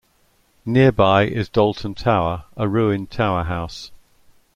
Nearby is Dalton Tower, a ruined tower house.